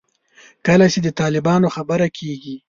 کله چې د طالبانو خبره کېږي.